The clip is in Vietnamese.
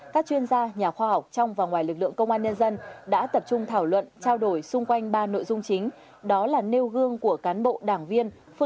các chuyên gia nhà khoa học trong và ngoài lực lượng công an nhân dân đã tập trung thảo luận trao đổi xung quanh ba nội dung chính